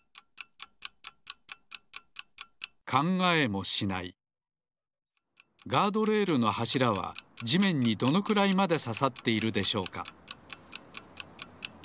考えもしないガードレールのはしらはじめんにどのくらいまでささっているでしょうか？